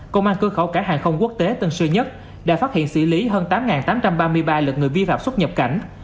công an cơ khẩu cả hàng không quốc tế tân sư nhất đã phát hiện xỉ lý hơn tám tám trăm ba mươi ba lực người vi phạm xuất nhập cảnh